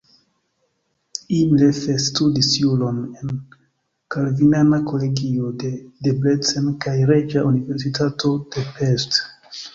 Imre Fest studis juron en kalvinana kolegio de Debrecen kaj Reĝa Universitato de Pest.